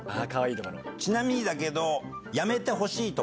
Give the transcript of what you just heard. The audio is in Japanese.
ちなみにだけど。